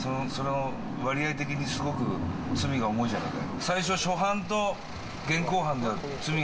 割合的にすごく罪が重いじゃないか。